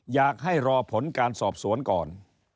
อยากให้รอผลการสอบสวนก่อน